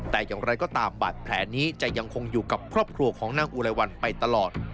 แต่อย่างไรก็ตามบาดแผลนี้จะยังคงอยู่กับครอบครัวของนางอุไรวันไปตลอด